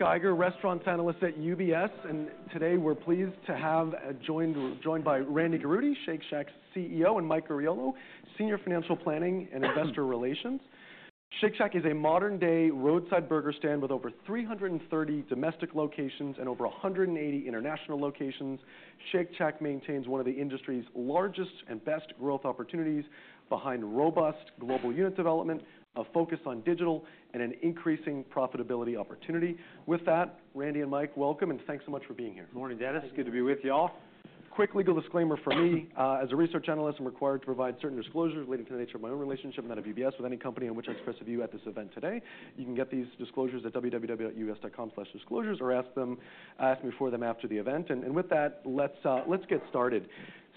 Geiger, restaurants analyst at UBS, and today we're pleased to have joined by Randy Garutti, Shake Shack's CEO, and Mike Mauriello, senior financial planning and investor relations. Shake Shack is a modern-day roadside burger stand with over 330 domestic locations and over 180 international locations. Shake Shack maintains one of the industry's largest and best growth opportunities behind robust global unit development, a focus on digital, and an increasing profitability opportunity. With that, Randy and Mike, welcome, and thanks so much for being here. Good morning, Dennis. It's good to be with you all. Quick legal disclaimer for me. As a research analyst, I'm required to provide certain disclosures relating to the nature of my own relationship, and that of UBS, with any company in which I express a view at this event today. You can get these disclosures at www.ubs.com/disclosures, or ask me for them after the event. And with that, let's get started.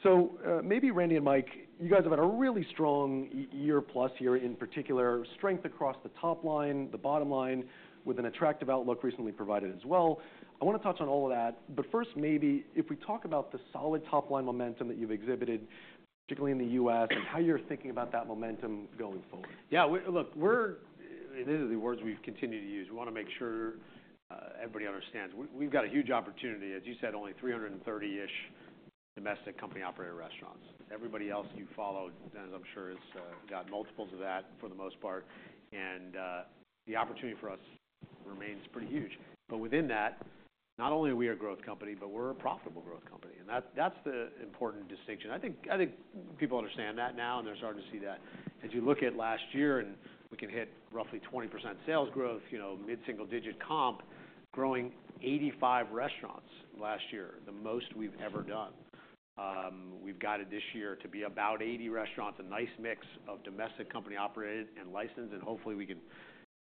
So, maybe Randy and Mike, you guys have had a really strong year-plus year, in particular, strength across the top line, the bottom line, with an attractive outlook recently provided as well. I want to touch on all of that. But first, maybe if we talk about the solid top-line momentum that you've exhibited, particularly in the U.S., and how you're thinking about that momentum going forward. Yeah, look, we're... These are the words we've continued to use. We wanna make sure everybody understands. We've got a huge opportunity. As you said, only 300-ish domestic company-operated restaurants. Everybody else you followed, Dennis, I'm sure, has got multiples of that for the most part, and the opportunity for us remains pretty huge. But within that, not only are we a growth company, but we're a profitable growth company, and that's the important distinction. I think people understand that now, and they're starting to see that. As you look at last year, we can hit roughly 20% sales growth, you know, mid-single-digit comp, growing 85 restaurants last year, the most we've ever done. We've guided this year to be about 80 restaurants, a nice mix of domestic company-operated and licensed, and hopefully, we can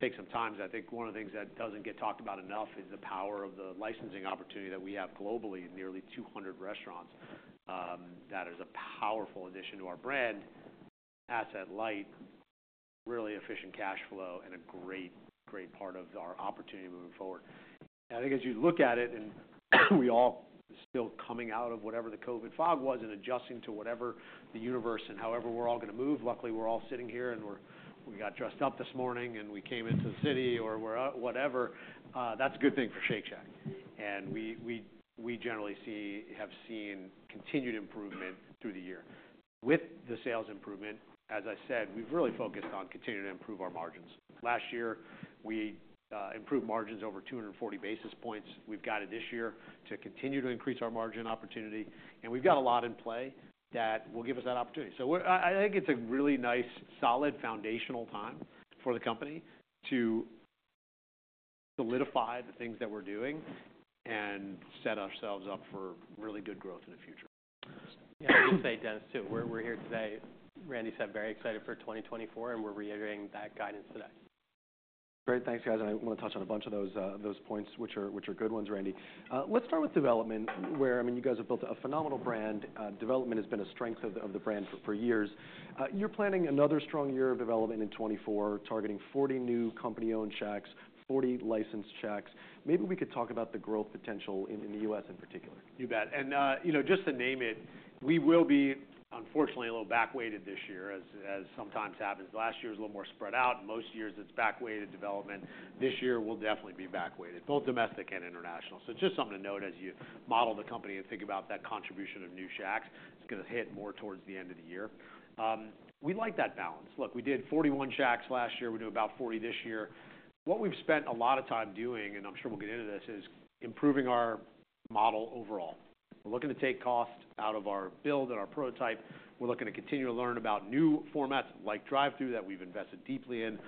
take some time. I think one of the things that doesn't get talked about enough is the power of the licensing opportunity that we have globally, in nearly 200 restaurants. That is a powerful addition to our brand, asset-light, really efficient cash flow, and a great, great part of our opportunity moving forward. I think as you look at it, and we all are still coming out of whatever the COVID fog was and adjusting to whatever the universe and however we're all gonna move. Luckily, we're all sitting here, and we got dressed up this morning, and we came into the city or we're out, whatever, that's a good thing for Shake Shack. We generally have seen continued improvement through the year. With the sales improvement, as I said, we've really focused on continuing to improve our margins. Last year, we improved margins over 240 basis points. We've guided this year to continue to increase our margin opportunity, and we've got a lot in play that will give us that opportunity. So I think it's a really nice, solid, foundational time for the company to solidify the things that we're doing and set ourselves up for really good growth in the future. Yeah, I'd say, Dennis, too, we're here today. Randy said very excited for 2024, and we're reiterating that guidance today. Great. Thanks, guys. And I want to touch on a bunch of those, those points, which are, which are good ones, Randy. Let's start with development, where, I mean, you guys have built a phenomenal brand. Development has been a strength of the, of the brand for, for years. You're planning another strong year of development in 2024, targeting 40 new company-owned Shacks, 40 licensed Shacks. Maybe we could talk about the growth potential in, in the US in particular. You bet. And, you know, just to name it, we will be, unfortunately, a little backweighted this year, as sometimes happens. Last year was a little more spread out. Most years, it's backweighted development. This year will definitely be backweighted, both domestic and international. So just something to note as you model the company and think about that contribution of new Shacks. It's gonna hit more towards the end of the year. We like that balance. Look, we did 41 Shacks last year. We do about 40 this year. What we've spent a lot of time doing, and I'm sure we'll get into this, is improving our model overall. We're looking to take cost out of our build and our prototype. We're looking to continue to learn about new formats like drive-thru that we've invested deeply in.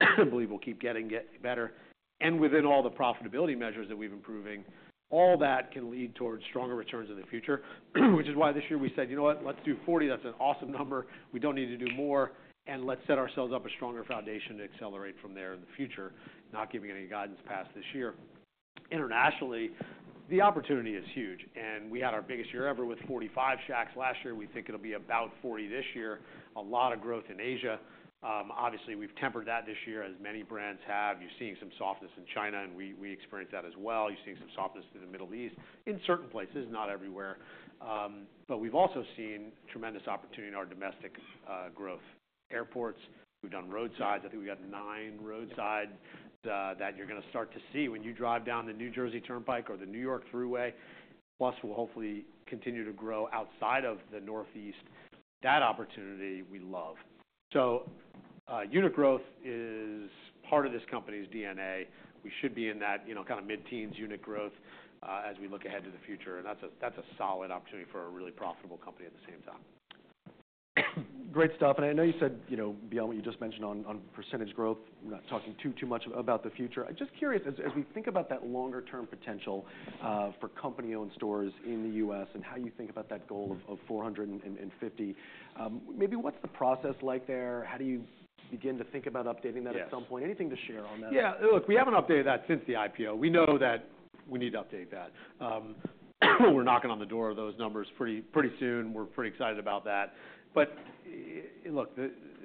I believe we'll keep getting it better. Within all the profitability measures that we've improving, all that can lead towards stronger returns in the future, which is why this year we said: You know what? Let's do 40. That's an awesome number. We don't need to do more, and let's set ourselves up a stronger foundation to accelerate from there in the future, not giving any guidance past this year. Internationally, the opportunity is huge, and we had our biggest year ever with 45 Shacks last year. We think it'll be about 40 this year. A lot of growth in Asia. Obviously, we've tempered that this year, as many brands have. You're seeing some softness in China, and we, we experienced that as well. You're seeing some softness in the Middle East, in certain places, not everywhere. But we've also seen tremendous opportunity in our domestic growth. Airports, we've done roadsides. I think we got 9 roadsides that you're gonna start to see when you drive down the New Jersey Turnpike or the New York Thruway. Plus, we'll hopefully continue to grow outside of the Northeast. That opportunity, we love. So, unit growth is part of this company's DNA. We should be in that, you know, kind of mid-teens unit growth, as we look ahead to the future, and that's a solid opportunity for a really profitable company at the same time. Great stuff. And I know you said, you know, beyond what you just mentioned on percentage growth, we're not talking too much about the future. I'm just curious, as we think about that longer-term potential for company-owned stores in the US and how you think about that goal of 450, maybe what's the process like there? How do you begin to think about updating that- Yes... at some point? Anything to share on that. Yeah. Look, we haven't updated that since the IPO. We know that we need to update that. We're knocking on the door of those numbers pretty, pretty soon. We're pretty excited about that. But look,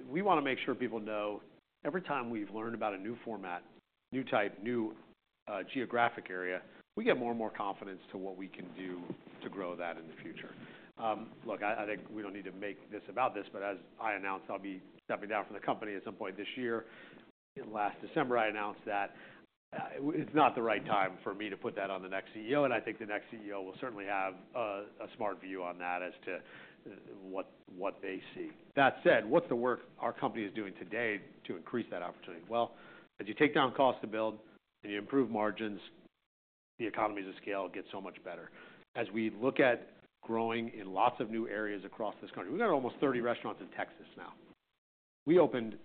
we wanna make sure people know, every time we've learned about a new format, new type, new geographic area, we get more and more confidence to what we can do to grow that in the future. Look, I think we don't need to make this about this, but as I announced, I'll be stepping down from the company at some point this year. Last December, I announced that, it's not the right time for me to put that on the next CEO, and I think the next CEO will certainly have a smart view on that as to what they see. That said, what's the work our company is doing today to increase that opportunity? Well, as you take down cost to build and you improve margins, the economies of scale get so much better. As we look at growing in lots of new areas across this country, we've got almost 30 restaurants in Texas now. We opened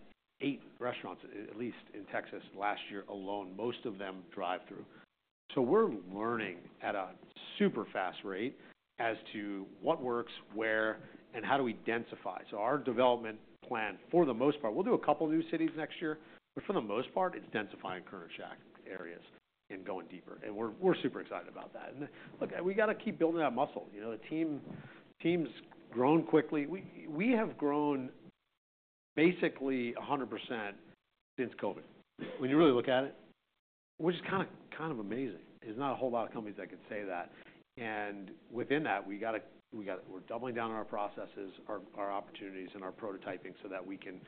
8 restaurants, at least, in Texas last year alone, most of them drive-thru. So we're learning at a super fast rate as to what works where and how do we densify. So our development plan, for the most part, we'll do a couple of new cities next year, but for the most part, it's densifying current Shack areas and going deeper, and we're, we're super excited about that. And look, we got to keep building that muscle. You know, the team, team's grown quickly. We have grown basically 100% since COVID. When you really look at it, which is kind of amazing. There's not a whole lot of companies that could say that. And within that, we're doubling down on our processes, our opportunities, and our prototyping, so that we can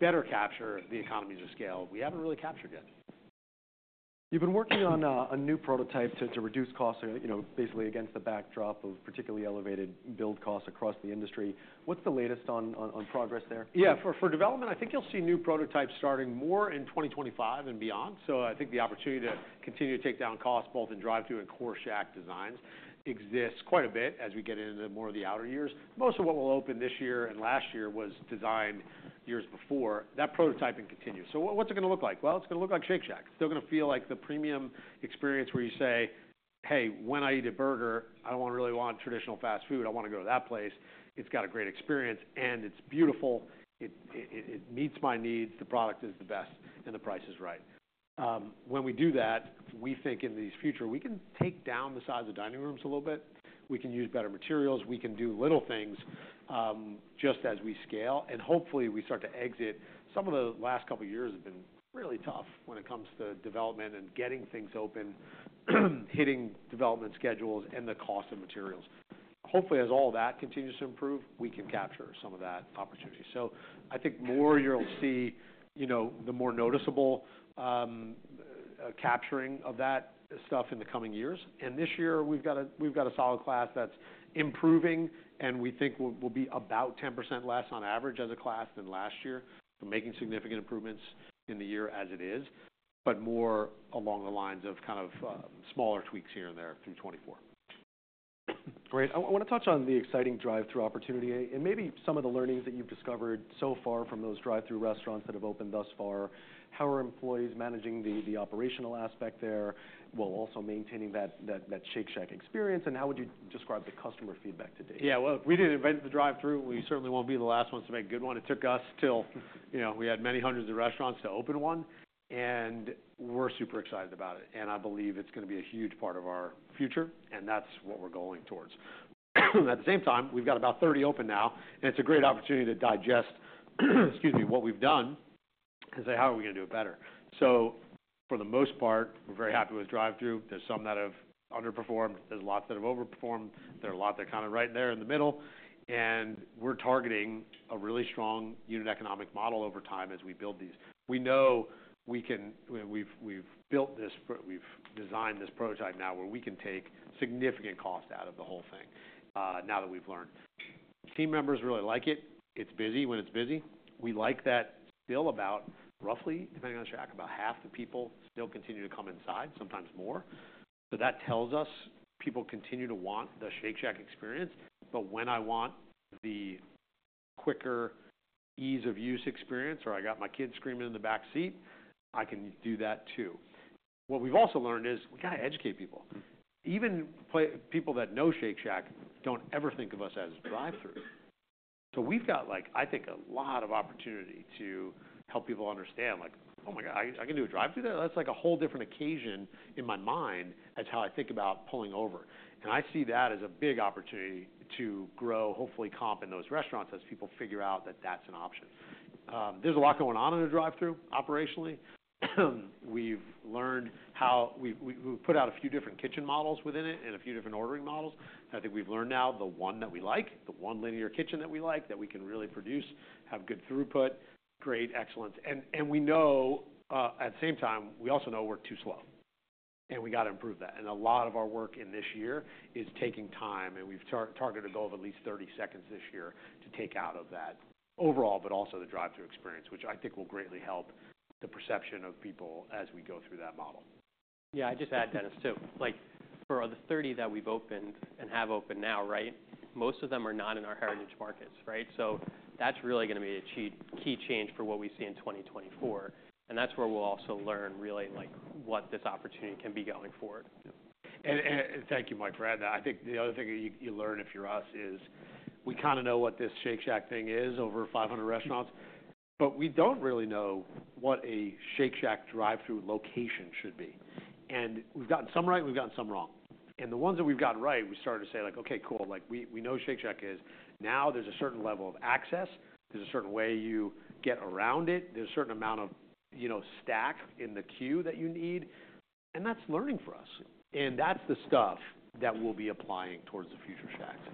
better capture the economies of scale we haven't really captured yet. You've been working on a new prototype to reduce costs, you know, basically against the backdrop of particularly elevated build costs across the industry. What's the latest on progress there? Yeah, for development, I think you'll see new prototypes starting more in 2025 and beyond. So I think the opportunity to continue to take down costs, both in drive-thru and core Shack designs, exists quite a bit as we get into more of the outer years. Most of what will open this year and last year was designed years before. That prototyping continues. So what's it going to look like? Well, it's going to look like Shake Shack. Still going to feel like the premium experience where you say, "Hey, when I eat a burger, I don't want to really want traditional fast food. I want to go to that place. It's got a great experience, and it's beautiful. It meets my needs, the product is the best, and the price is right." When we do that, we think in the future, we can take down the size of dining rooms a little bit. We can use better materials. We can do little things, just as we scale, and hopefully, we start to exit. Some of the last couple of years have been really tough when it comes to development and getting things open, hitting development schedules, and the cost of materials. Hopefully, as all that continues to improve, we can capture some of that opportunity. So I think more you'll see, you know, the more noticeable, capturing of that stuff in the coming years. This year, we've got a solid class that's improving, and we think will be about 10% less on average as a class than last year. We're making significant improvements in the year as it is, but more along the lines of kind of smaller tweaks here and there through 2024. Great. I want to touch on the exciting drive-thru opportunity and maybe some of the learnings that you've discovered so far from those drive-thru restaurants that have opened thus far. How are employees managing the operational aspect there, while also maintaining that Shake Shack experience, and how would you describe the customer feedback to date? Yeah, well, we didn't invent the drive-thru. We certainly won't be the last ones to make a good one. It took us till, you know, we had many hundreds of restaurants to open one, and we're super excited about it, and I believe it's going to be a huge part of our future, and that's what we're going towards. At the same time, we've got about 30 open now, and it's a great opportunity to digest, excuse me, what we've done and say: How are we going to do it better? So for the most part, we're very happy with drive-thru. There's some that have underperformed, there's lots that have overperformed, there are a lot that are kind of right there in the middle, and we're targeting a really strong unit economic model over time as we build these. We know we can—we've built this, we've designed this prototype now where we can take significant cost out of the whole thing, now that we've learned. Team members really like it. It's busy when it's busy. We like that still about, roughly, depending on Shack, about half the people still continue to come inside, sometimes more. So that tells us people continue to want the Shake Shack experience, but when I want the quicker ease of use experience, or I got my kids screaming in the back seat, I can do that too. What we've also learned is we got to educate people. Even people that know Shake Shack don't ever think of us as a drive-thru. So we've got, like, I think, a lot of opportunity to help people understand, like, "Oh, my God, I can do a drive-thru there? That's like a whole different occasion in my mind as how I think about pulling over." And I see that as a big opportunity to grow, hopefully, comp in those restaurants as people figure out that that's an option. There's a lot going on in the drive-thru operationally. We've learned how we've put out a few different kitchen models within it and a few different ordering models. I think we've learned now the one that we like, the one linear kitchen that we like, that we can really produce, have good throughput, great, excellent. And we know at the same time, we also know we're too slow and we got to improve that. A lot of our work in this year is taking time, and we've targeted a goal of at least 30 seconds this year to take out of that overall, but also the drive-thru experience, which I think will greatly help the perception of people as we go through that model. Yeah, I'd just add, Dennis, too. Like, for the 30 that we've opened and have open now, right? Most of them are not in our heritage markets, right? So that's really going to be a key change for what we see in 2024, and that's where we'll also learn, really, like, what this opportunity can be going forward. Thank you, Mike, for adding that. I think the other thing you learn if you're us is we kind of know what this Shake Shack thing is, over 500 restaurants, but we don't really know what a Shake Shack drive-thru location should be. And we've gotten some right, and we've gotten some wrong. And the ones that we've gotten right, we started to say, like, "Okay, cool. Like, we know Shake Shack is..." Now there's a certain level of access. There's a certain way you get around it. There's a certain amount of, you know, stack in the queue that you need, and that's learning for us, and that's the stuff that we'll be applying towards the future Shacks....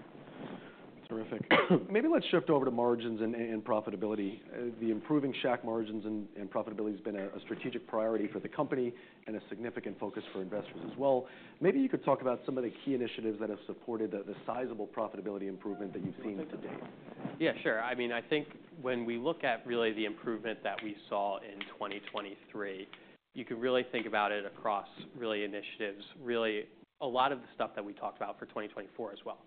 Terrific. Maybe let's shift over to margins and profitability. The improving Shack margins and profitability has been a strategic priority for the company and a significant focus for investors as well. Maybe you could talk about some of the key initiatives that have supported the sizable profitability improvement that you've seen to date. Yeah, sure. I mean, I think when we look at really the improvement that we saw in 2023, you can really think about it across really initiatives. Really, a lot of the stuff that we talked about for 2024 as well.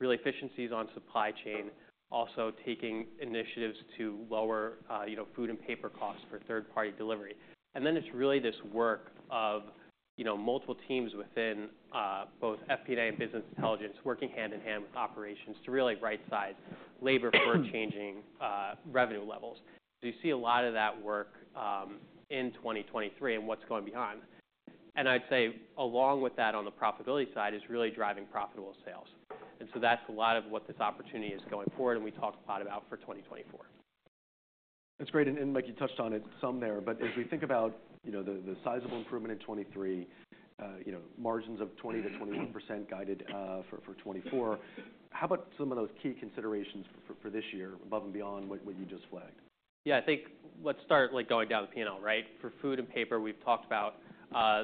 Really, efficiencies on supply chain, also taking initiatives to lower, you know, food and paper costs for third-party delivery. And then it's really this work of, you know, multiple teams within both FP&A and business intelligence, working hand in hand with operations to really right size labor for changing revenue levels. So you see a lot of that work in 2023 and what's going behind. And I'd say, along with that, on the profitability side, is really driving profitable sales. And so that's a lot of what this opportunity is going forward, and we talked a lot about for 2024. That's great, and Mike, you touched on it some there. But as we think about, you know, the sizable improvement in 2023, you know, margins of 20%-21% guided for 2024, how about some of those key considerations for this year, above and beyond what you just flagged? Yeah, I think let's start, like, going down the P&L, right? For food and paper, we've talked about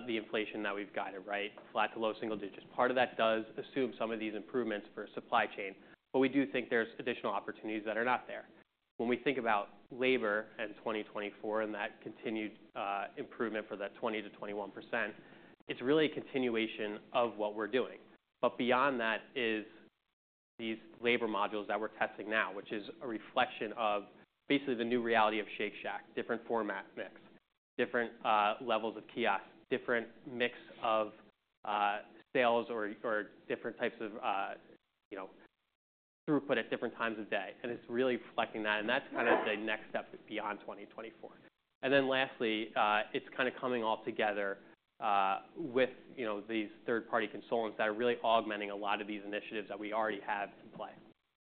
the inflation that we've guided, right? Flat to low single digits. Part of that does assume some of these improvements for supply chain, but we do think there's additional opportunities that are not there. When we think about labor and 2024, and that continued improvement for that 20%-21%, it's really a continuation of what we're doing. But beyond that is these labor modules that we're testing now, which is a reflection of basically the new reality of Shake Shack, different format mix, different levels of kiosk, different mix of sales or different types of you know, throughput at different times of day. And it's really reflecting that, and that's kind of the next step beyond 2024. Then lastly, it's kind of coming all together, with, you know, these third-party consultants that are really augmenting a lot of these initiatives that we already have in play.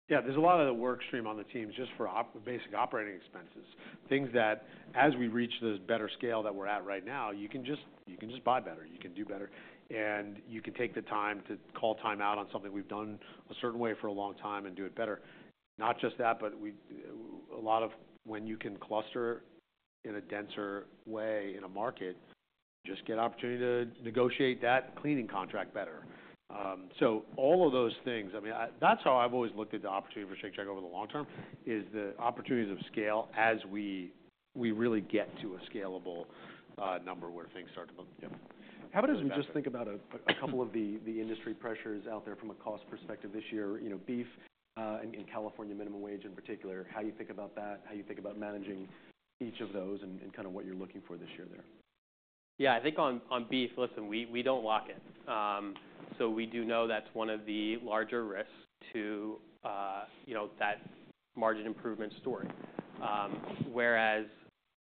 Yeah, there's a lot of the work stream on the teams just for basic operating expenses. Things that, as we reach this better scale that we're at right now, you can just, you can just buy better, you can do better, and you can take the time to call time out on something we've done a certain way for a long time and do it better. Not just that, but we, a lot of when you can cluster in a denser way in a market, just get opportunity to negotiate that cleaning contract better. So all of those things, I mean, that's how I've always looked at the opportunity for Shake Shack over the long term, is the opportunities of scale as we, we really get to a scalable, number where things start to move. Yeah. How about as we just think about a couple of the industry pressures out there from a cost perspective this year? You know, beef, and California minimum wage in particular, how you think about that, how you think about managing each of those and kind of what you're looking for this year there? Yeah, I think on beef, listen, we don't like it. So we do know that's one of the larger risks to, you know, that margin improvement story. Whereas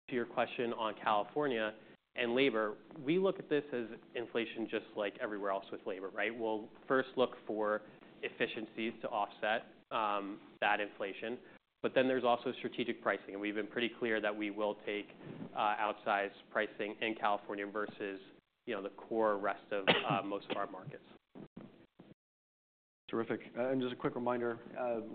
to your question on California and labor, we look at this as inflation, just like everywhere else with labor, right? We'll first look for efficiencies to offset that inflation, but then there's also strategic pricing, and we've been pretty clear that we will take outsize pricing in California versus, you know, the core rest of most of our markets. Terrific. Just a quick reminder,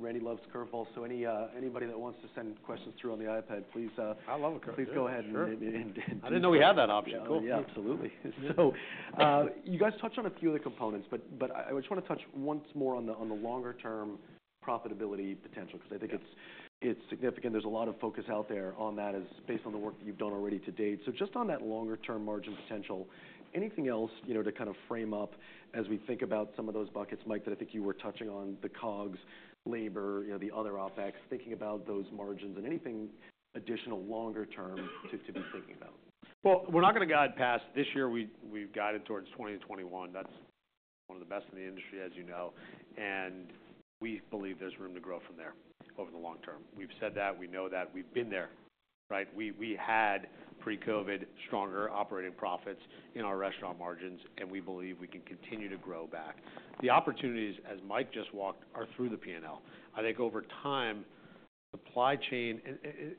Randy loves curveballs, so anybody that wants to send questions through on the iPad, please. I love a curveball. Please go ahead. Sure. And, and, and- I didn't know we had that option. Cool. Yeah, absolutely. So, you guys touched on a few of the components, but I just wanna touch once more on the longer term profitability potential, because I think- Yeah... it's, it's significant. There's a lot of focus out there on that as based on the work that you've done already to date. So just on that longer term margin potential, anything else, you know, to kind of frame up as we think about some of those buckets, Mike, that I think you were touching on, the COGS, labor, you know, the other OpEx, thinking about those margins and anything additional longer term - to, to be thinking about? Well, we're not gonna guide past this year. We've guided towards 20%-21%. That's one of the best in the industry, as you know, and we believe there's room to grow from there over the long term. We've said that. We know that. We've been there, right? We had pre-COVID stronger operating profits in our restaurant margins, and we believe we can continue to grow back. The opportunities, as Mike just walked, are through the P&L. I think over time, supply chain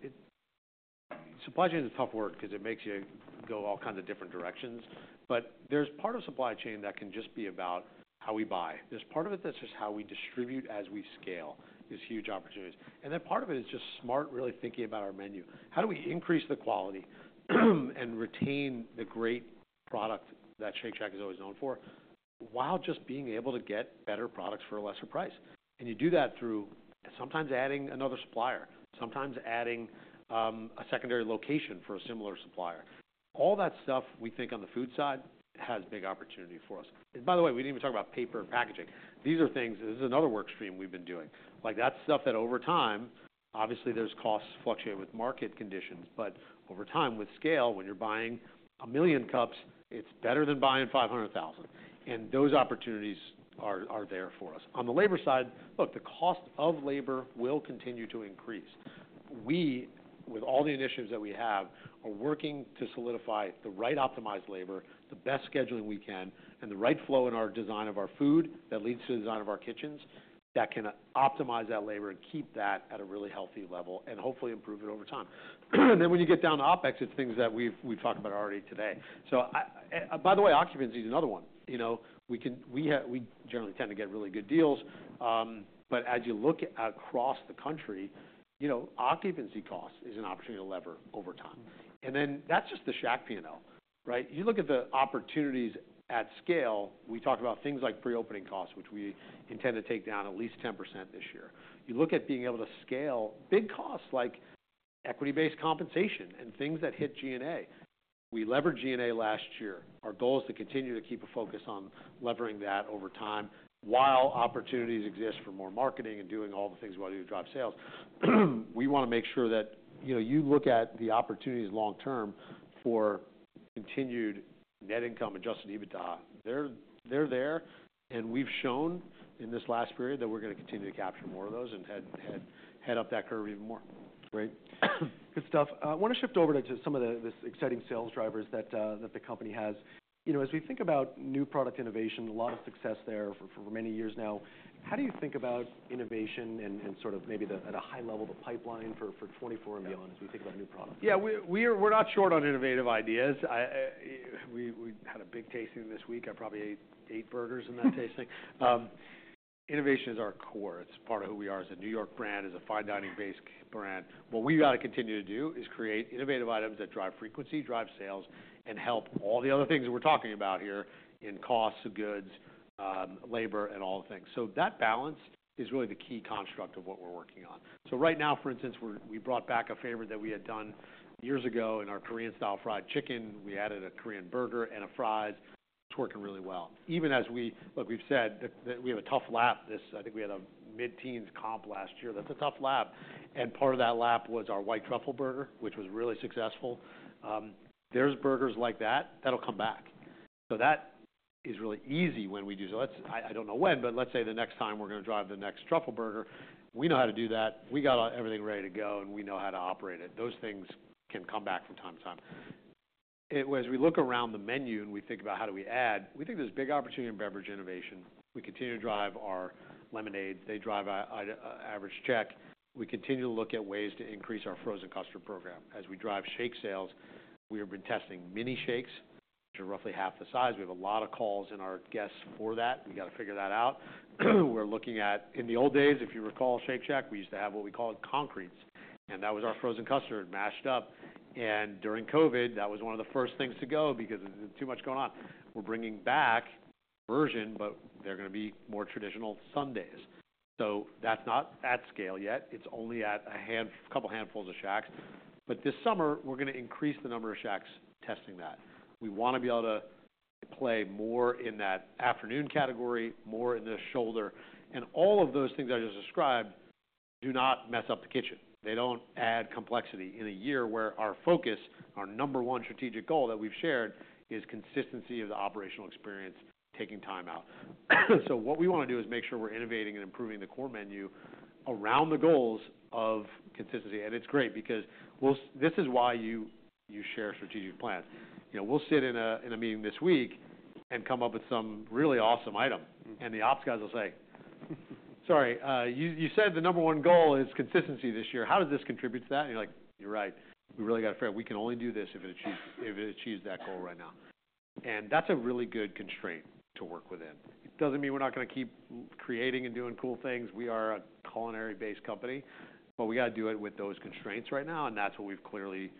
is a tough word because it makes you go all kinds of different directions, but there's part of supply chain that can just be about how we buy. There's part of it that's just how we distribute as we scale. There's huge opportunities. And then part of it is just smart, really thinking about our menu. How do we increase the quality, and retain the great product that Shake Shack is always known for, while just being able to get better products for a lesser price? And you do that through sometimes adding another supplier, sometimes adding a secondary location for a similar supplier. All that stuff, we think on the food side, has big opportunity for us. And by the way, we didn't even talk about paper and packaging. These are things... This is another work stream we've been doing. Like, that's stuff that over time, obviously, those costs fluctuate with market conditions, but over time, with scale, when you're buying 1 million cups, it's better than buying 500,000, and those opportunities are there for us. On the labor side, look, the cost of labor will continue to increase. We, with all the initiatives that we have-... are working to solidify the right optimized labor, the best scheduling we can, and the right flow in our design of our food that leads to the design of our kitchens, that can optimize that labor and keep that at a really healthy level and hopefully improve it over time. Then when you get down to OpEx, it's things that we've talked about already today. So, by the way, occupancy is another one. You know, we generally tend to get really good deals, but as you look across the country, you know, occupancy cost is an opportunity to lever over time. And then that's just the Shack P&L, right? You look at the opportunities at scale, we talked about things like pre-opening costs, which we intend to take down at least 10% this year. You look at being able to scale big costs like equity-based compensation and things that hit G&A. We leveraged G&A last year. Our goal is to continue to keep a focus on levering that over time, while opportunities exist for more marketing and doing all the things we want to do to drive sales. We want to make sure that, you know, you look at the opportunities long term for continued net income, Adjusted EBITDA, they're there, and we've shown in this last period that we're going to continue to capture more of those and head up that curve even more. Great. Good stuff. I want to shift over to some of the exciting sales drivers that the company has. You know, as we think about new product innovation, a lot of success there for many years now. How do you think about innovation and sort of maybe at a high level, the pipeline for 2024 and beyond, as we think about new products? Yeah, we're not short on innovative ideas. We had a big tasting this week. I probably ate eight burgers in that tasting. Innovation is our core. It's part of who we are as a New York brand, as a fine dining-based brand. What we've got to continue to do is create innovative items that drive frequency, drive sales, and help all the other things that we're talking about here in costs of goods, labor, and all the things. So that balance is really the key construct of what we're working on. So right now, for instance, we brought back a favorite that we had done years ago in our Korean-style fried chicken. We added a Korean burger and fries. It's working really well. Even as we... Look, we've said that, that we have a tough lap this, I think we had a mid-teens comp last year. That's a tough lap, and part of that lap was our White Truffle Burger, which was really successful. There's burgers like that, that'll come back. So that is really easy when we do. So let's, I, I don't know when, but let's say the next time we're going to drive the next truffle burger, we know how to do that. We got everything ready to go, and we know how to operate it. Those things can come back from time to time. As we look around the menu, and we think about how do we add, we think there's big opportunity in beverage innovation. We continue to drive our lemonade. They drive our average check. We continue to look at ways to increase our frozen custard program. As we drive shake sales, we have been testing mini shakes, which are roughly half the size. We have a lot of calls from our guests for that. We got to figure that out. We're looking at... In the old days, if you recall, Shake Shack, we used to have what we called concretes, and that was our frozen custard mashed up. During COVID, that was one of the first things to go because there was too much going on. We're bringing back a version, but they're going to be more traditional sundaes. So that's not at scale yet. It's only at a couple handfuls of Shacks. But this summer, we're going to increase the number of Shacks testing that. We want to be able to play more in that afternoon category, more in the shoulder. And all of those things I just described do not mess up the kitchen. They don't add complexity in a year where our focus, our number one strategic goal that we've shared, is consistency of the operational experience, taking time out. So what we want to do is make sure we're innovating and improving the core menu around the goals of consistency. And it's great because we'll—this is why you share a strategic plan. You know, we'll sit in a meeting this week and come up with some really awesome item, and the ops guys will say: "Sorry, you said the number one goal is consistency this year. How does this contribute to that?" And you're like: "You're right. We really got to figure out. We can only do this if it achieves, if it achieves that goal right now." That's a really good constraint to work within. It doesn't mean we're not going to keep creating and doing cool things. We are a culinary-based company, but we got to do it with those constraints right now, and that's what we've clearly,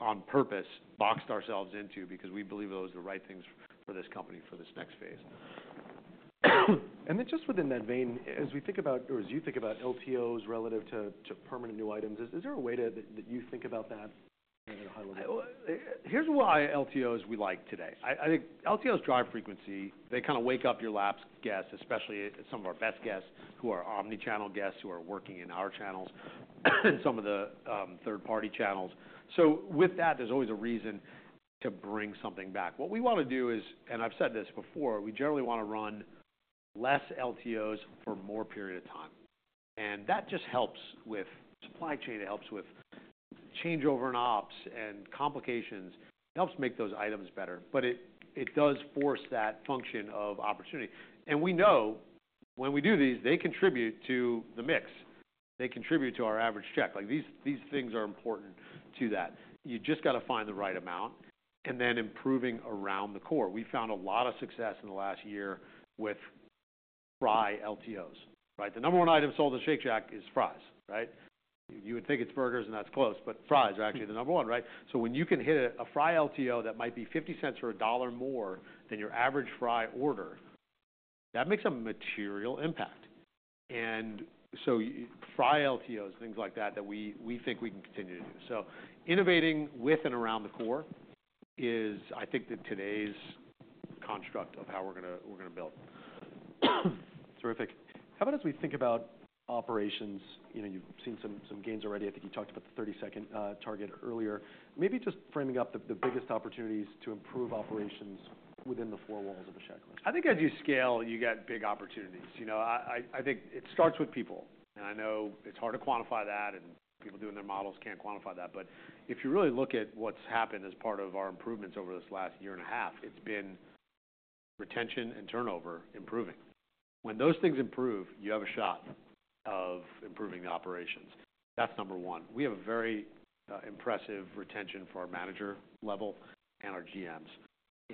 on purpose, boxed ourselves into because we believe those are the right things for this company, for this next phase. Then just within that vein, as we think about or as you think about LTOs relative to permanent new items, is there a way to... that you think about that at a high level? Well, here's why LTOs we like today. I, I think LTOs drive frequency. They kind of wake up your lapsed guests, especially some of our best guests, who are omni-channel guests, who are working in our channels, and some of the third-party channels. So with that, there's always a reason to bring something back. What we want to do is, and I've said this before, we generally want to run less LTOs for more period of time. And that just helps with supply chain, it helps with changeover in ops and complications. It helps make those items better, but it, it does force that function of opportunity. And we know when we do these, they contribute to the mix. They contribute to our average check. Like, these, these things are important to that. You just got to find the right amount, and then improving around the core. We found a lot of success in the last year with fry LTOs, right? The number one item sold at Shake Shack is fries, right? You would think it's burgers, and that's close, but fries are actually the number one, right? So when you can hit a fry LTO, that might be $0.50 or $1 more than your average fry order, that makes a material impact. And so fry LTOs, things like that, that we think we can continue to do. So innovating with and around the core is, I think, the today's construct of how we're going to build. Terrific. How about as we think about operations, you know, you've seen some gains already. I think you talked about the 30-second target earlier. Maybe just framing up the biggest opportunities to improve operations within the four walls of the Shack. I think as you scale, you get big opportunities. You know, I think it starts with people, and I know it's hard to quantify that, and people doing their models can't quantify that. But if you really look at what's happened as part of our improvements over this last year and a half, it's been retention and turnover improving. When those things improve, you have a shot of improving the operations. That's number one. We have a very impressive retention for our manager level and our GMs,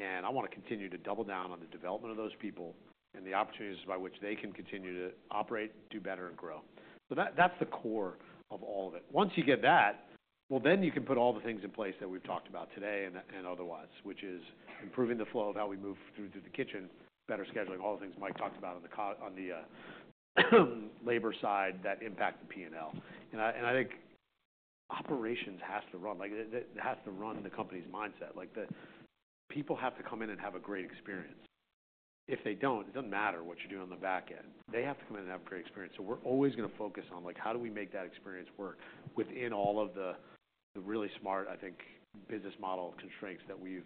and I wanna continue to double down on the development of those people and the opportunities by which they can continue to operate, do better, and grow. So that, that's the core of all of it. Once you get that, well, then you can put all the things in place that we've talked about today and, and otherwise, which is improving the flow of how we move through to the kitchen, better scheduling, all the things Mike talked about on the labor side that impact the P&L. And I, and I think operations has to run. Like, it, it has to run the company's mindset. Like, the people have to come in and have a great experience. If they don't, it doesn't matter what you do on the back end. They have to come in and have a great experience. We're always gonna focus on, like, how do we make that experience work within all of the really smart, I think, business model constraints that we've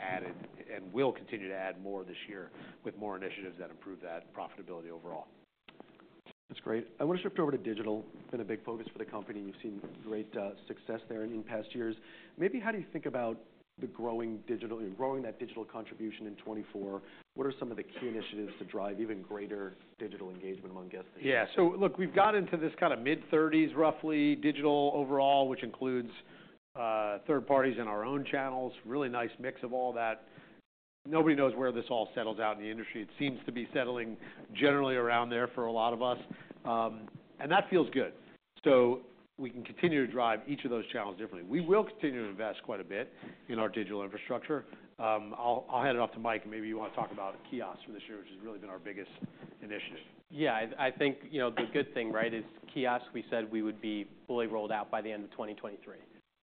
added and will continue to add more this year with more initiatives that improve that profitability overall. That's great. I wanna shift over to digital. Been a big focus for the company. You've seen great success there in past years. Maybe how do you think about growing that digital contribution in 2024? What are some of the key initiatives to drive even greater digital engagement among guests? Yeah. So look, we've got into this kind of mid-thirties, roughly, digital overall, which includes third parties and our own channels. Really nice mix of all that. Nobody knows where this all settles out in the industry. It seems to be settling generally around there for a lot of us, and that feels good. So we can continue to drive each of those channels differently. We will continue to invest quite a bit in our digital infrastructure. I'll hand it off to Mike, and maybe you wanna talk about kiosks for this year, which has really been our biggest initiative. Yeah, I, I think, you know, the good thing, right, is kiosks. We said we would be fully rolled out by the end of 2023.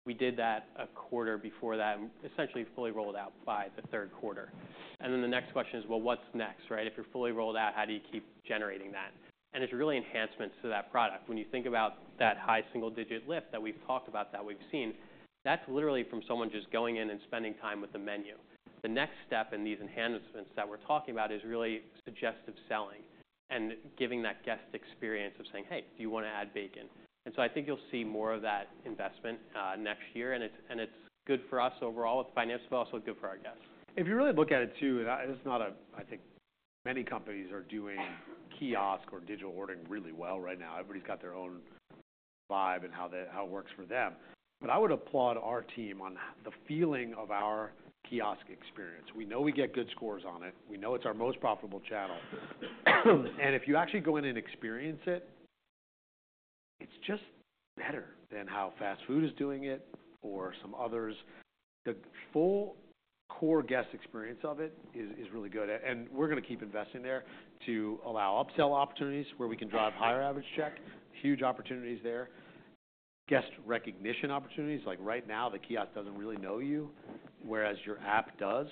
We did that a quarter before that, essentially fully rolled out by the third quarter. And then the next question is, well, what's next, right? If you're fully rolled out, how do you keep generating that? And it's really enhancements to that product. When you think about that high single-digit lift that we've talked about, that we've seen, that's literally from someone just going in and spending time with the menu. The next step in these enhancements that we're talking about is really suggestive selling and giving that guest experience of saying, "Hey, do you wanna add bacon?" And so I think you'll see more of that investment next year, and it's good for us overall, financially, but also good for our guests. If you really look at it, too, and it's not a... I think many companies are doing kiosk or digital ordering really well right now. Everybody's got their own vibe and how they- how it works for them. But I would applaud our team on the feeling of our kiosk experience. We know we get good scores on it. We know it's our most profitable channel. And if you actually go in and experience it, it's just better than how fast food is doing it or some others. The full core guest experience of it is, is really good, and we're gonna keep investing there to allow upsell opportunities, where we can drive higher average check. Huge opportunities there. Guest recognition opportunities, like right now, the kiosk doesn't really know you, whereas your app does.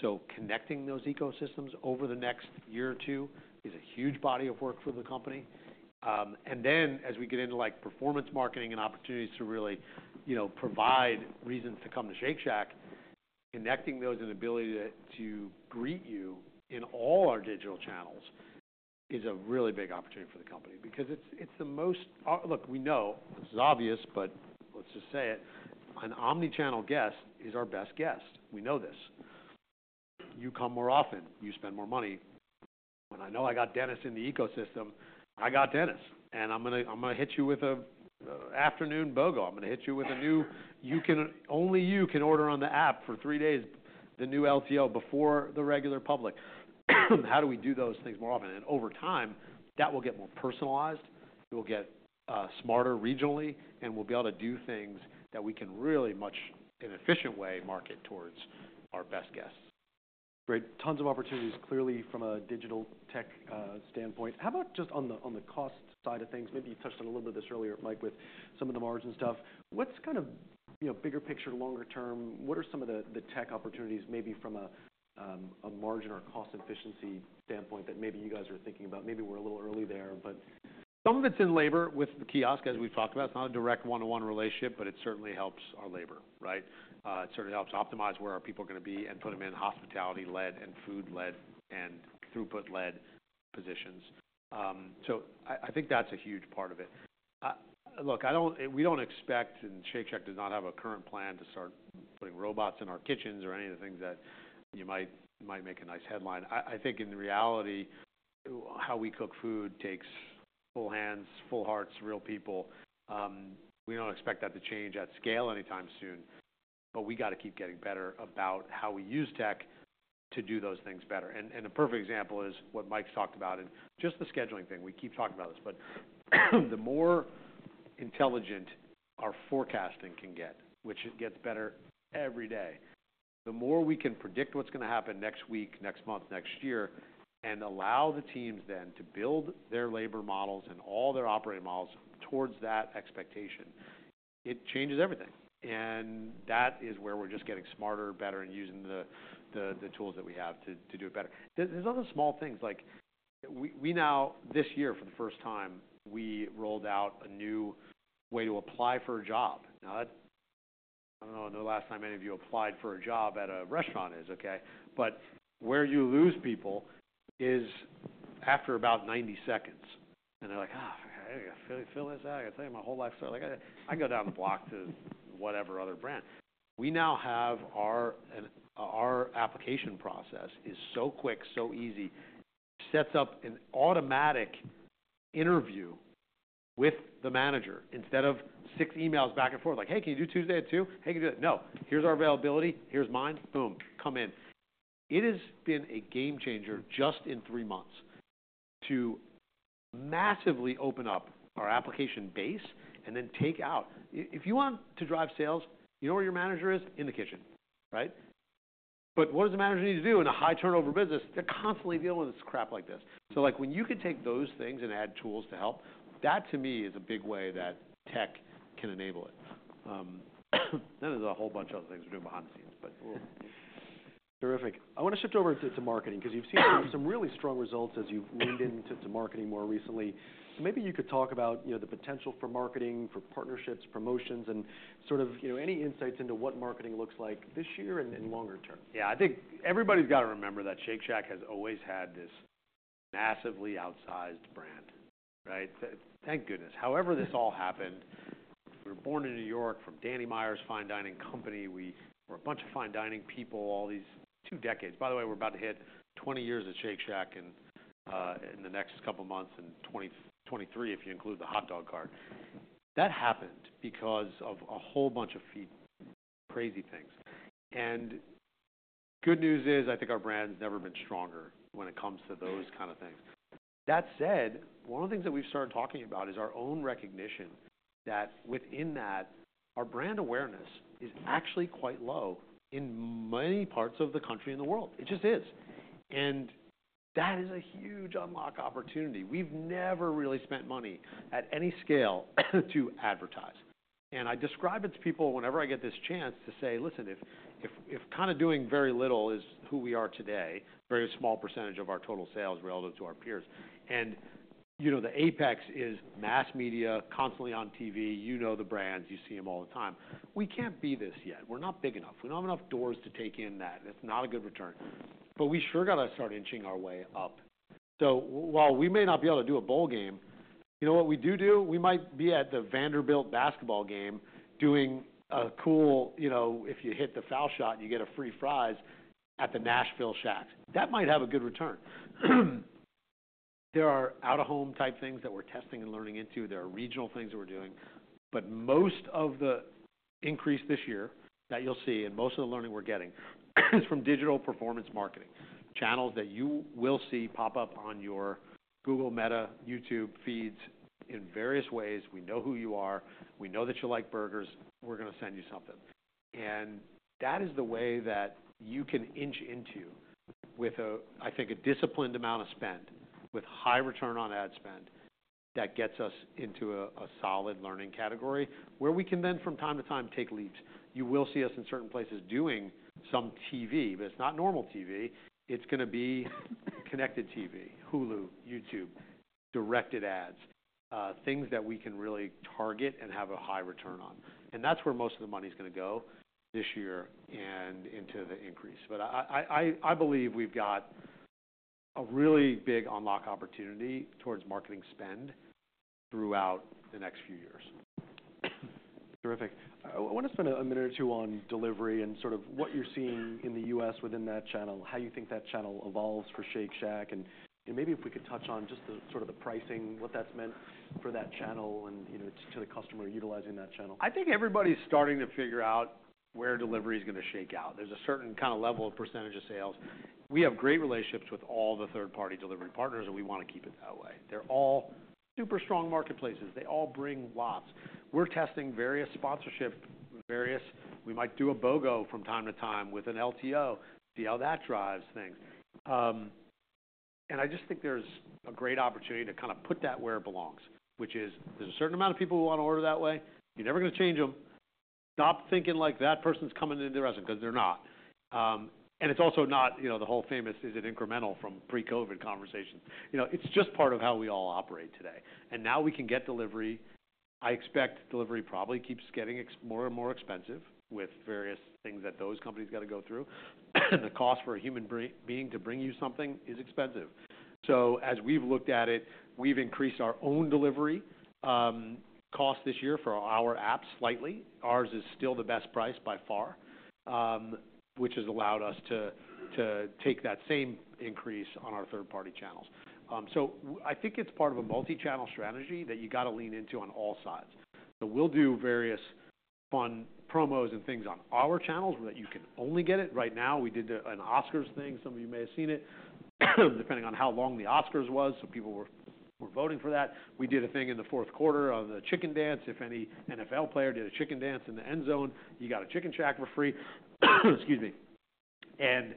So connecting those ecosystems over the next year or two is a huge body of work for the company. And then as we get into, like, performance marketing and opportunities to really, you know, provide reasons to come to Shake Shack, connecting those and ability to, to greet you in all our digital channels is a really big opportunity for the company because it's, it's the most... Look, we know, this is obvious, but let's just say it, an omni-channel guest is our best guest. We know this. You come more often, you spend more money. When I know I got Dennis in the ecosystem, I got Dennis, and I'm gonna, I'm gonna hit you with a, uh, afternoon BOGO. I'm gonna hit you with a new- you can-- only you can order on the app for three days, the new LTO, before the regular public. How do we do those things more often? And over time, that will get more personalized, it will get, smarter regionally, and we'll be able to do things that we can really much, in an efficient way, market towards our best guests. Great. Tons of opportunities, clearly, from a digital tech standpoint. How about just on the, on the cost side of things? Maybe you touched on a little bit of this earlier, Mike, with some of the margin stuff. What's kind of, you know, bigger picture, longer term, what are some of the tech opportunities, maybe from a margin or a cost efficiency standpoint, that maybe you guys are thinking about? Maybe we're a little early there, but- Some of it's in labor with the kiosk, as we've talked about. It's not a direct one-to-one relationship, but it certainly helps our labor, right? It sort of helps optimize where our people are gonna be and put them in hospitality-led and food-led and throughput-led positions. So I think that's a huge part of it. Look, we don't expect, and Shake Shack does not have a current plan to start putting robots in our kitchens or any of the things that you might make a nice headline. I think in reality, how we cook food takes full hands, full hearts, real people. We don't expect that to change at scale anytime soon, but we got to keep getting better about how we use tech to do those things better. A perfect example is what Mike's talked about and just the scheduling thing. We keep talking about this, but the more intelligent our forecasting can get, which it gets better every day, the more we can predict what's gonna happen next week, next month, next year, and allow the teams then to build their labor models and all their operating models towards that expectation. It changes everything, and that is where we're just getting smarter, better, and using the tools that we have to do it better. There's other small things, like we now... This year, for the first time, we rolled out a new way to apply for a job. Now, that, I don't know the last time any of you applied for a job at a restaurant is, okay? But where you lose people is-... After about 90 seconds and they're like, "Ah, I fill this out. I tell you, my whole life story. Like, I go down the block to whatever other brand." We now have our application process is so quick, so easy, which sets up an automatic interview with the manager. Instead of 6 emails back and forth, like, "Hey, can you do Tuesday at 2? Hey, can you do that?" No. Here's our availability, here's mine. Boom! Come in. It has been a game changer just in 3 months, to massively open up our application base and then take out. If you want to drive sales, you know where your manager is? In the kitchen, right? But what does the manager need to do in a high turnover business? They're constantly dealing with this crap like this. So, like, when you can take those things and add tools to help, that, to me, is a big way that tech can enable it. Then there's a whole bunch of other things we're doing behind the scenes, but we'll- Terrific. I wanna shift over to marketing, 'cause you've seen some really strong results as you've leaned into marketing more recently. So maybe you could talk about, you know, the potential for marketing, for partnerships, promotions, and sort of, you know, any insights into what marketing looks like this year and longer term. Yeah, I think everybody's got to remember that Shake Shack has always had this massively outsized brand, right? Thank goodness. However, this all happened, we were born in New York from Danny Meyer's fine dining company. We were a bunch of fine dining people, all these two decades. By the way, we're about to hit 20 years at Shake Shack in, in the next couple of months, and 2023, if you include the hot dog cart. That happened because of a whole bunch of few crazy things. And good news is, I think our brand has never been stronger when it comes to those kind of things. That said, one of the things that we've started talking about is our own recognition, that within that, our brand awareness is actually quite low in many parts of the country and the world. It just is. And that is a huge unlock opportunity. We've never really spent money at any scale to advertise. And I describe it to people whenever I get this chance to say: Listen, if kind of doing very little is who we are today, very small percentage of our total sales relative to our peers, and, you know, the apex is mass media, constantly on TV, you know the brands, you see them all the time. We can't be this yet. We're not big enough. We don't have enough doors to take in that, and it's not a good return. But we sure got to start inching our way up. So while we may not be able to do a bowl game, you know what we do do? We might be at the Vanderbilt basketball game doing a cool, you know, if you hit the foul shot, you get a free fries at the Nashville Shack. That might have a good return. There are out-of-home type things that we're testing and learning into. There are regional things that we're doing, but most of the increase this year that you'll see, and most of the learning we're getting, is from digital performance marketing. Channels that you will see pop up on your Google, Meta, YouTube feeds in various ways. We know who you are. We know that you like burgers. We're gonna send you something. And that is the way that you can inch into with a, I think, a disciplined amount of spend, with high Return on Ad Spend, that gets us into a, a solid learning category, where we can then, from time to time, take leaps. You will see us in certain places doing some TV, but it's not normal TV. It's gonna be Connected TV, Hulu, YouTube, directed ads, things that we can really target and have a high return on. And that's where most of the money is gonna go this year and into the increase. But I believe we've got a really big unlock opportunity towards marketing spend throughout the next few years. Terrific. I want to spend a minute or two on delivery and sort of what you're seeing in the U.S. within that channel, how you think that channel evolves for Shake Shack, and maybe if we could touch on just sort of the pricing, what that's meant for that channel and, you know, to the customer utilizing that channel. I think everybody's starting to figure out where delivery is gonna shake out. There's a certain kind of level of percentage of sales. We have great relationships with all the third-party delivery partners, and we want to keep it that way. They're all super strong marketplaces. They all bring lots. We're testing various sponsorship, various... We might do a BOGO from time to time with an LTO, see how that drives things. And I just think there's a great opportunity to kind of put that where it belongs, which is there's a certain amount of people who want to order that way. You're never going to change them. Stop thinking like that person's coming into the restaurant, because they're not. And it's also not, you know, the whole famous, is it incremental from pre-COVID conversations? You know, it's just part of how we all operate today, and now we can get delivery. I expect delivery probably keeps getting more and more expensive, with various things that those companies got to go through. The cost for a human being to bring you something is expensive. So as we've looked at it, we've increased our own delivery cost this year for our app slightly. Ours is still the best price by far, which has allowed us to take that same increase on our third-party channels. So I think it's part of a multi-channel strategy that you got to lean into on all sides. So we'll do various fun promos and things on our channels where that you can only get it. Right now, we did an Oscars thing. Some of you may have seen it, depending on how long the Oscars was, so people were, were voting for that. We did a thing in the fourth quarter on the Chicken Dance. If any NFL player did a Chicken Dance in the end zone, you got a Chicken Shack for free. Excuse me. And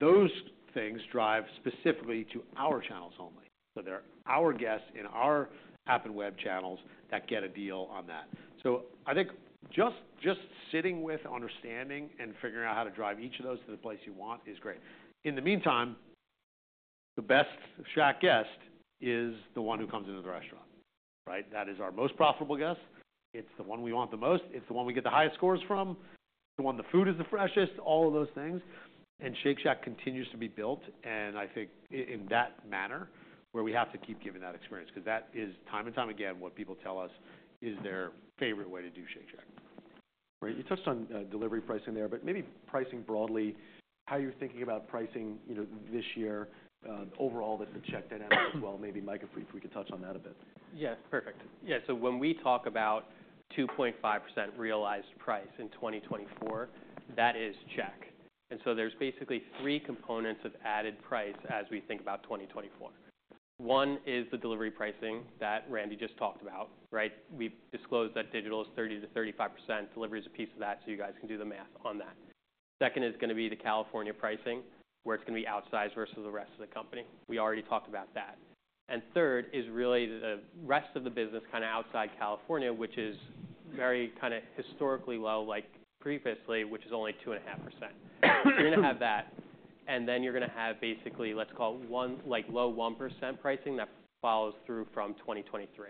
those things drive specifically to our channels only. So they're our guests in our app and web channels that get a deal on that. So I think just, just sitting with understanding and figuring out how to drive each of those to the place you want is great. In the meantime, the best Shack guest is the one who comes into the restaurant.... Right? That is our most profitable guest. It's the one we want the most. It's the one we get the highest scores from, the one the food is the freshest, all of those things. Shake Shack continues to be built, and I think in that manner, where we have to keep giving that experience, because that is time and time again, what people tell us is their favorite way to do Shake Shack. Right. You touched on delivery pricing there, but maybe pricing broadly, how you're thinking about pricing, you know, this year, overall, this is out as well. Maybe, Mike, if we could touch on that a bit. Yeah, perfect. Yeah, so when we talk about 2.5% realized price in 2024, that is check. And so there's basically three components of added price as we think about 2024. One is the delivery pricing that Randy just talked about, right? We've disclosed that digital is 30%-35%. Delivery is a piece of that, so you guys can do the math on that. Second is gonna be the California pricing, where it's gonna be outsized versus the rest of the company. We already talked about that. And third is really the rest of the business, kind of outside California, which is very kind of historically low, like previously, which is only 2.5%. You're gonna have that, and then you're gonna have basically, let's call it one, like, low 1% pricing that follows through from 2023.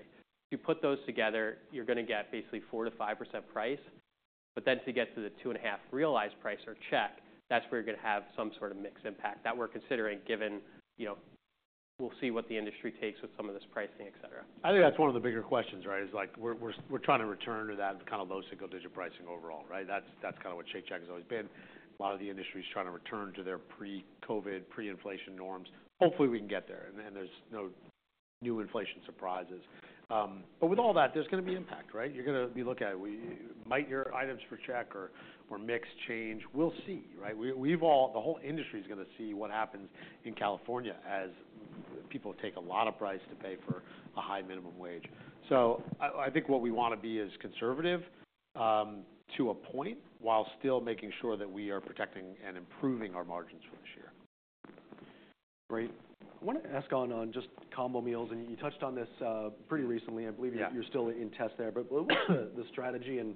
You put those together, you're gonna get basically 4%-5% price. But then to get to the 2.5 realized price or check, that's where you're gonna have some sort of mixed impact that we're considering given, you know, we'll see what the industry takes with some of this pricing, et cetera. I think that's one of the bigger questions, right? Like, we're trying to return to that kind of low single digit pricing overall, right? That's kind of what Shake Shack has always been. A lot of the industry is trying to return to their pre-COVID, pre-inflation norms. Hopefully, we can get there, and then there's no new inflation surprises. But with all that, there's gonna be impact, right? You're gonna be looking at your items for check or mix change. We'll see, right? We've all, the whole industry is gonna see what happens in California as people take a lot of price to pay for a high minimum wage. So I think what we want to be is conservative to a point, while still making sure that we are protecting and improving our margins for this year. Great. I want to ask on just combo meals, and you touched on this, pretty recently. Yeah. I believe you're still in test there, but what's the strategy in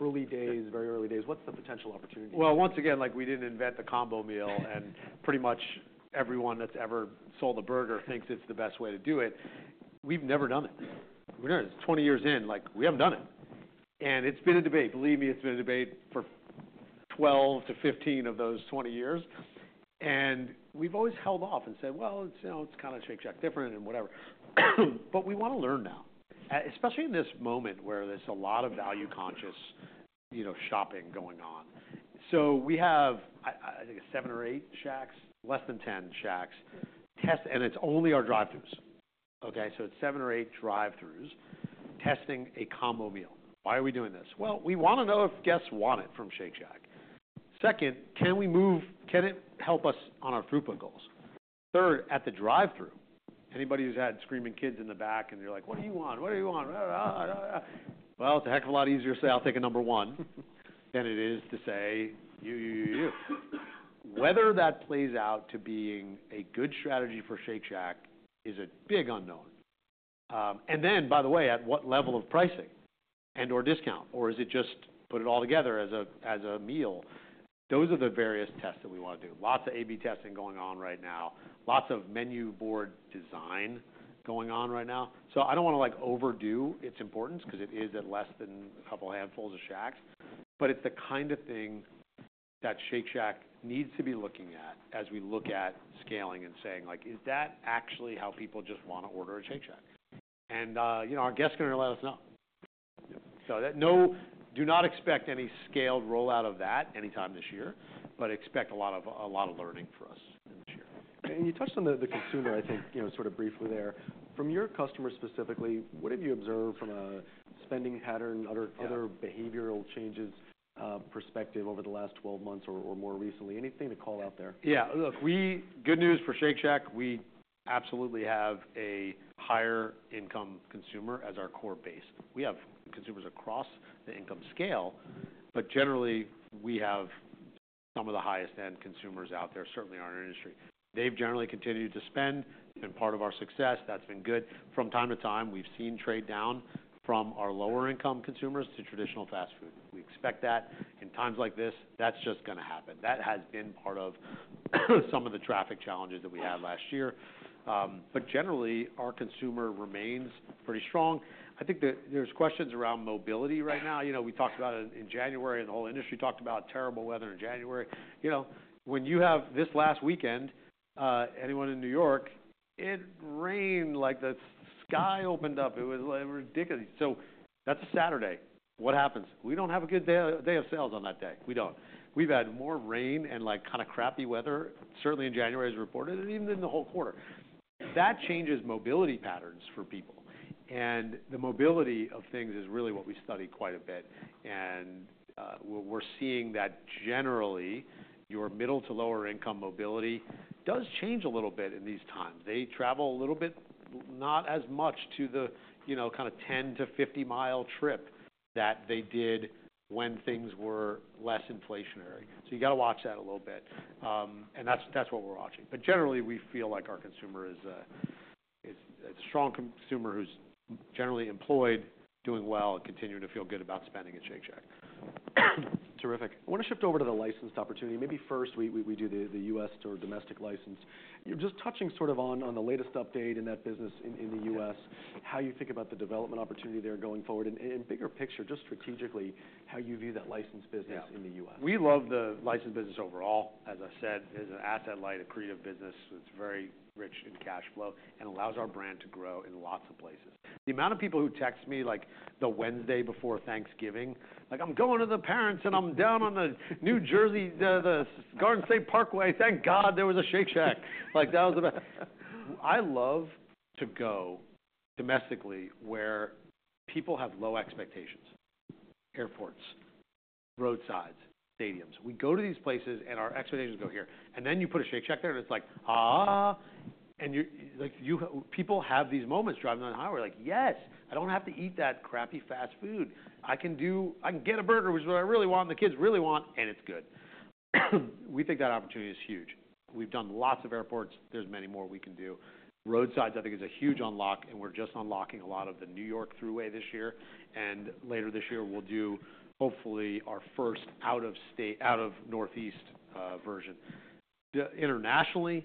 early days, very early days, what's the potential opportunity? Well, once again, like, we didn't invent the combo meal, and pretty much everyone that's ever sold a burger thinks it's the best way to do it. We've never done it. We're doing it 20 years in, like, we haven't done it. And it's been a debate. Believe me, it's been a debate for 12-15 of those 20 years, and we've always held off and said: Well, you know, it's kind of Shake Shack different and whatever. But we want to learn now, especially in this moment where there's a lot of value-conscious, you know, shopping going on. So we have, I think, 7 or 8 Shacks, less than 10 Shacks, test, and it's only our drive-thrus. Okay, so it's 7 or 8 drive-thrus testing a combo meal. Why are we doing this? Well, we want to know if guests want it from Shake Shack. Second, can we move? Can it help us on our throughput goals? Third, at the drive-thru, anybody who's had screaming kids in the back and you're like: "What do you want? What do you want?" Well, it's a heck of a lot easier to say, "I'll take a number one," than it is to say, you, you, you, you. Whether that plays out to being a good strategy for Shake Shack is a big unknown. And then, by the way, at what level of pricing and or discount, or is it just put it all together as a, as a meal? Those are the various tests that we want to do. Lots of A/B testing going on right now. Lots of menu board design going on right now. So I don't want to, like, overdo its importance because it is at less than a couple handfuls of Shacks, but it's the kind of thing that Shake Shack needs to be looking at as we look at scaling and saying, like: Is that actually how people just want to order a Shake Shack? And, you know, our guests are going to let us know. So that—no, do not expect any scaled rollout of that anytime this year, but expect a lot of, a lot of learning for us this year. You touched on the consumer, I think, you know, sort of briefly there. From your customer specifically, what have you observed from a spending pattern, other- Yeah... other behavioral changes, perspective over the last 12 months or more recently? Anything to call out there? Yeah, look, good news for Shake Shack, we absolutely have a higher income consumer as our core base. We have consumers across the income scale, but generally, we have some of the highest end consumers out there, certainly in our industry. They've generally continued to spend, been part of our success. That's been good. From time to time, we've seen trade down from our lower-income consumers to traditional fast food. We expect that. In times like this, that's just gonna happen. That has been part of some of the traffic challenges that we had last year. But generally, our consumer remains pretty strong. I think that there's questions around mobility right now. You know, we talked about it in January, and the whole industry talked about terrible weather in January. You know, when you have this last weekend, anyone in New York, it rained like the sky opened up. It was, like, ridiculous. So that's a Saturday. What happens? We don't have a good day of sales on that day. We don't. We've had more rain and, like, kind of crappy weather, certainly in January, as reported, and even in the whole quarter. That changes mobility patterns for people, and the mobility of things is really what we study quite a bit. And, we're seeing that generally, your middle to lower income mobility does change a little bit in these times. They travel a little bit, not as much to the, you know, kind of 10- to 50-mile trip that they did when things were less inflationary. So you got to watch that a little bit, and that's what we're watching. But generally, we feel like our consumer is a strong consumer who's generally employed, doing well, and continuing to feel good about spending at Shake Shack. ... Terrific. I want to shift over to the licensed opportunity. Maybe first, we do the US or domestic license. Just touching sort of on the latest update in that business in the US, how you think about the development opportunity there going forward, and bigger picture, just strategically, how you view that license business in the US. We love the license business overall. As I said, it's an asset light, accretive business. It's very rich in cash flow and allows our brand to grow in lots of places. The amount of people who text me, like, the Wednesday before Thanksgiving, like, "I'm going to the parents, and I'm down on the New Jersey, the Garden State Parkway. Thank God, there was a Shake Shack!" Like, I love to go domestically where people have low expectations: airports, roadsides, stadiums. We go to these places, and our expectations go here. And then you put a Shake Shack there, and it's like, ah! And you—like, you—people have these moments driving down the highway, like, "Yes, I don't have to eat that crappy fast food. I can get a burger, which is what I really want, the kids really want, and it's good." We think that opportunity is huge. We've done lots of airports. There's many more we can do. Roadsides, I think, is a huge unlock, and we're just unlocking a lot of the New York Thruway this year. Later this year, we'll do, hopefully, our first out-of-state, out-of-Northeast version. Internationally,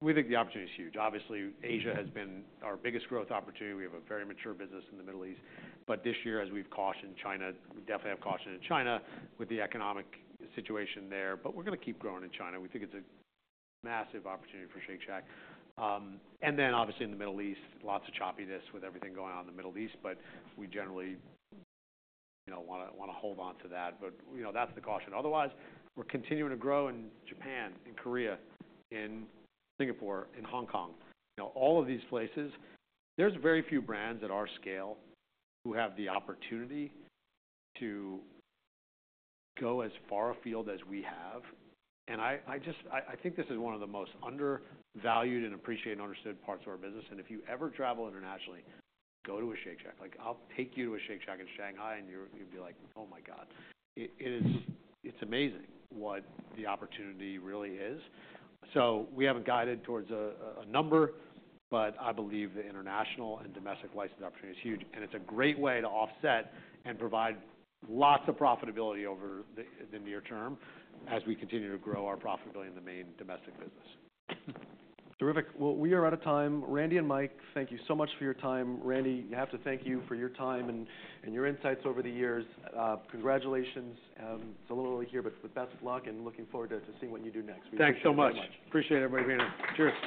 we think the opportunity is huge. Obviously, Asia has been our biggest growth opportunity. We have a very mature business in the Middle East. But this year, as we've cautioned China, we definitely have cautioned in China with the economic situation there, but we're going to keep growing in China. We think it's a massive opportunity for Shake Shack. and then obviously, in the Middle East, lots of choppiness with everything going on in the Middle East, but we generally, you know, wanna hold on to that. But, you know, that's the caution. Otherwise, we're continuing to grow in Japan, in Korea, in Singapore, in Hong Kong. You know, all of these places, there's very few brands at our scale who have the opportunity to go as far afield as we have. And I just think this is one of the most undervalued and appreciated and understood parts of our business. And if you ever travel internationally, go to a Shake Shack. Like, I'll take you to a Shake Shack in Shanghai, and you'll be like, "Oh, my God!" It is, it's amazing what the opportunity really is. So we haven't guided towards a number, but I believe the international and domestic license opportunity is huge, and it's a great way to offset and provide lots of profitability over the near term, as we continue to grow our profitability in the main domestic business. Terrific. Well, we are out of time. Randy and Mike, thank you so much for your time. Randy, I have to thank you for your time and your insights over the years. Congratulations, it's a little early here, but the best of luck and looking forward to seeing what you do next. Thanks so much. We appreciate it very much. Appreciate everybody being here. Cheers.